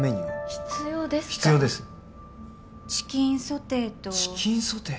必要ですチキンソテーとチキンソテー！？